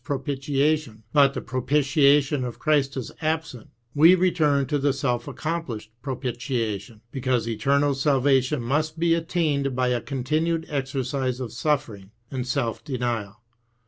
305 propitiation, but the propitiation of Christ is absent, we return to the self accomplished propitiation, because eternal salvation must be attained by a continued exercise of suffering and self denial.